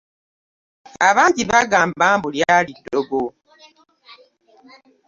Abangi bagamba mbu lyali ddogo.